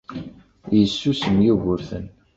Yessusum Yugurten.